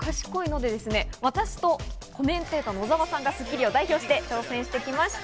でですね、私とコメンテーターの小澤さんが『スッキリ』を代表して挑戦してきました。